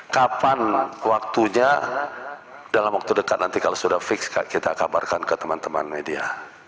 kapan waktunya dalam waktu dekat nanti kalau sudah fix kita kabarkan ke teman teman media